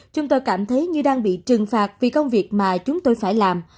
chúng tôi cảm thấy như đang bị trừng phạt vì công việc mà chúng tôi phải làm